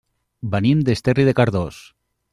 Venim d'Esterri de Cardós.